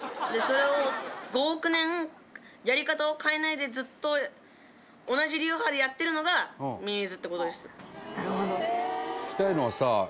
それを５億年やり方を変えないでずっと同じ流派でやってるのがミミズって事です。